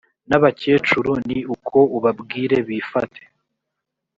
n abakecuru ni uko ubabwire bifate